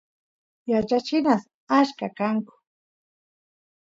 yachachinas achka kanku